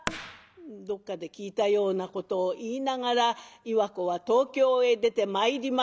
どっかで聞いたようなことを言いながら岩子は東京へ出てまいります。